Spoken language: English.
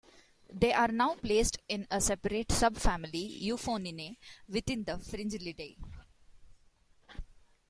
They are now placed in a separate subfamily Euphoniinae within the Fringillidae.